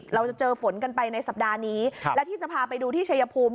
เราจะเจอฝนกันไปในสัปดาห์นี้และที่จะพาไปดูที่ชัยภูมิ